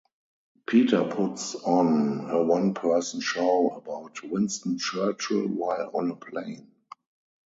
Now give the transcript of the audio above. Peter puts on a one-person show about Winston Churchill while on a plane.